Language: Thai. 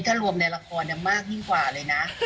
ถ้ารวมในละครยังมากยิ่งกว่าเลยนะ